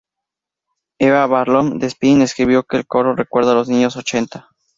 Eve Barlow de "Spin" escribió que el coro recuerda a los años ochenta.